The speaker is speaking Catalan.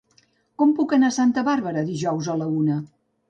Com puc anar a Santa Bàrbara dijous a la una?